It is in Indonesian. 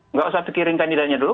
nggak usah pikirin kandidatnya dulu